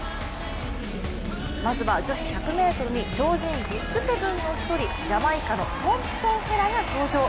まずは女子１００ｍに超人ＢＩＧ７の１人ジャマイカのトンプソンヘラが登場。